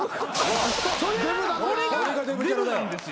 これがデブなんですよ。